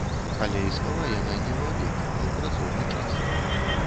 Але і спала яна не ў абед, а ў працоўны час.